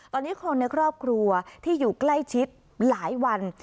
ตอนนี้คนในครอบครัวที่อยู่ใกล้ชิดหลายวัน